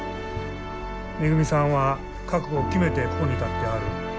めぐみさんは覚悟を決めてここに立ってはる。